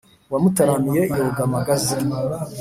wamutaramiye yoga magazi